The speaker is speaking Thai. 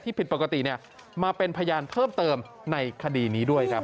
ผิดปกติมาเป็นพยานเพิ่มเติมในคดีนี้ด้วยครับ